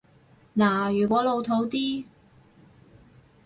嗱，如果老套啲